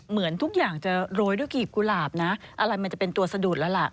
เหมือนทุกอย่างจะโรยด้วยกีบกุหลาบนะอะไรมันจะเป็นตัวสะดุดแล้วล่ะ